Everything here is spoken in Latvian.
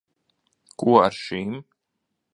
Ko ar šīm?